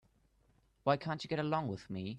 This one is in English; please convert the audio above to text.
Why can't she get along with me?